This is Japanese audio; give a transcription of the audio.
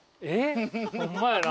ホンマやな。